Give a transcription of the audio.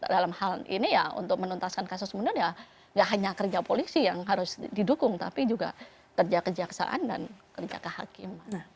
dalam hal ini ya untuk menuntaskan kasus munir ya nggak hanya kerja polisi yang harus didukung tapi juga kerja kejaksaan dan kerja kehakiman